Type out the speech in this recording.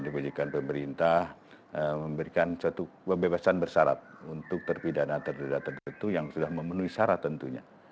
kebijakan ini pemerintah memberikan satu pembebasan bersyarat untuk terpidana terdedah tertentu yang sudah memenuhi syarat tentunya